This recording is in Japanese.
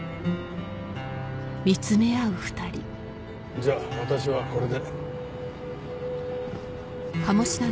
じゃあ私はこれで。